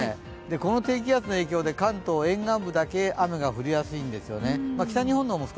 この低気圧の影響で関東、沿岸部だけ雨が降りやすいんですよね。